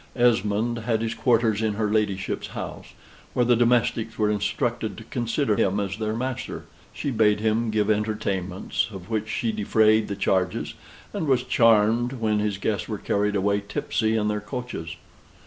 Esmond had his quarters in her ladyship's house, where the domestics were instructed to consider him as their master. She bade him give entertainments, of which she defrayed the charges, and was charmed when his guests were carried away tipsy in their coaches.